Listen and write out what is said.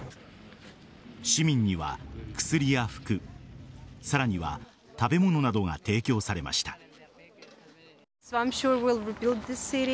市民には薬や服さらには食べ物などが提供されました。